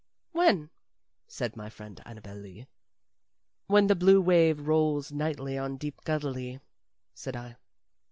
"When?" said my friend Annabel Lee. "When the blue wave rolls nightly on deep Galilee," said I.